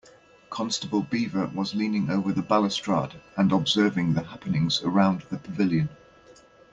Constable Beaver was leaning over the balustrade and observing the happenings around the pavilion.